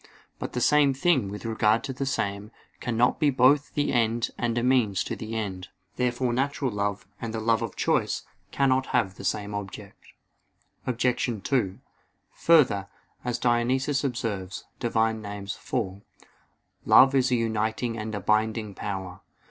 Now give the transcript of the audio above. But the same thing, with regard to the same, cannot be both the end and a means to the end. Therefore natural love and the love of choice cannot have the same object. Obj. 2: Further, as Dionysius observes (Div. Nom. iv): "Love is a uniting and a binding power."